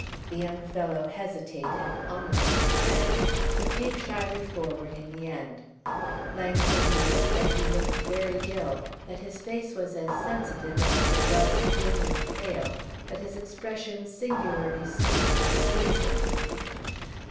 The young fellow hesitated, almost shrank, but came shyly forward in the end. Langholm noted that he looked very ill, that his face was as sensitive as it was thin and pale, but his expression singularly sweet and pleasing.